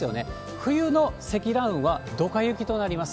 冬の積乱雲はドカ雪となります。